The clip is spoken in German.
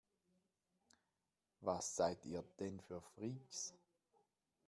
Was seid ihr denn für Freaks?